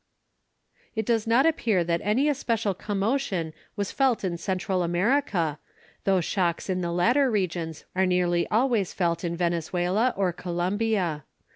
It does not appear that any especial commotion was felt in Central America, though shocks in the latter regions are nearly always felt in Venezuela or Columbia.